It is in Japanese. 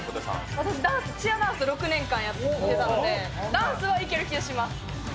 私、ダンス、チアダンス６年間やってたので、ダンスはいける気がします。